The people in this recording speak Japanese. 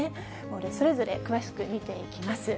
それぞれ詳しく見ていきます。